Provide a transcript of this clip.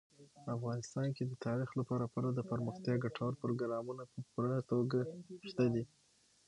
افغانستان کې د تاریخ لپاره پوره دپرمختیا ګټور پروګرامونه په پوره توګه شته دي.